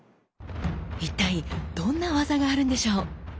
一体どんな技があるんでしょう？